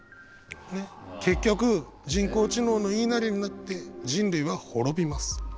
結局人工知能の言いなりになって人類は滅びます。